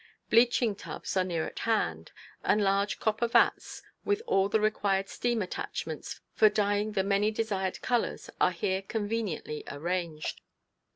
Bleaching tubs are near at hand, and large copper vats with all the required steam attachments for dyeing the many desired colors are here conveniently arranged.